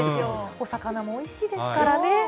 お魚もおいしいですからね。